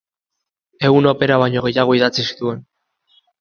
Ehun opera baino gehiago idatzi zituen.